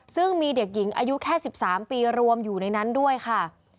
ซึ่งมีเด็กหญิงอายุแค่๑๓ปีรวมอยู่ในนั้นด้วยค่ะ